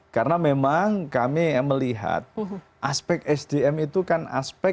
karena memang kami melihat aspek sdm itu kan aspek